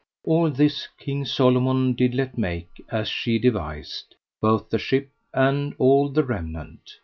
All this King Solomon did let make as she devised, both the ship and all the remnant.